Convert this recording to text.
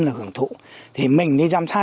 là hưởng thụ thì mình đi giám sát